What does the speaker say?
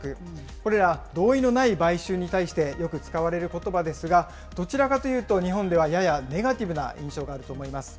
これら、合意のない買収に対してよく使われることばですが、どちらかというと日本では、ややネガティブな印象があると思います。